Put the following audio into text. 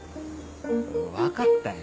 分かったよ。